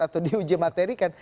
atau di uji materi kan